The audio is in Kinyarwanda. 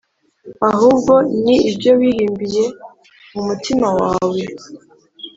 ahubwo ni ibyo wihimbiye mu mutima wawe.